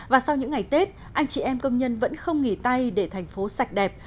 và sau những ngày tết anh chị em công nhân vẫn không nghỉ tay để thành phố sạch đẹp